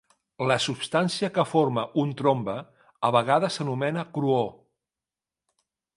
La substància que forma un trombe a vegades s'anomena crúor.